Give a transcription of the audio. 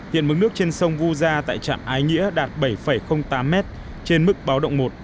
hiện mức nước trên sông vu gia tại trạm ái nghĩa đạt bảy tám m trên mức báo động một